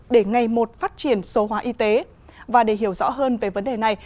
để ngày một phát triển số hóa y tế và để hiểu rõ hơn về vấn đề này